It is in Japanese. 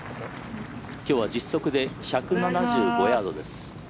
今日は実測で１７５ヤードです。